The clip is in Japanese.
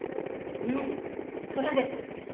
うんそれです！